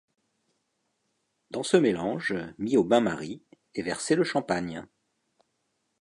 Dans ce mélange, mis au bain-marie, est versé le champagne.